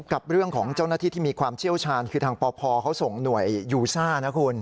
กับเรื่องของเจ้าหน้าที่ที่มีความเชี่ยวชาญคือทางปพเขาส่งหน่วยยูซ่านะคุณ